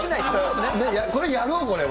これ、やろう、これは。